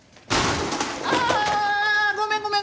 あーっごめんごめん